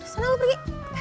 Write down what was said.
susah lu pergi